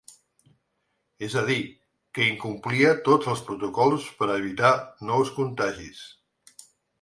És a dir, que incomplia tots els protocols per a evitar nous contagis.